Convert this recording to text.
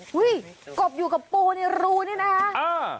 กบอยู่กับปูรูนี่นะ